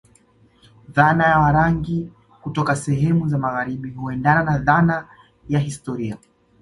Dhana ya Warangi kutoka sehemu za magharibi huendena na dhana ya historia